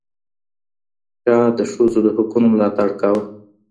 شاه د ښځو د حقونو ملاتړ کاوه.